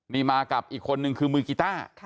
นี่มากับอีกคนนึงคือมือกีต้า